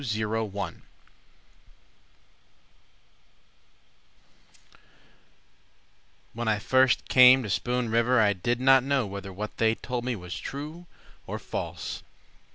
Richard Bone When I first came to Spoon River I did not know whether what they told me Was true or false.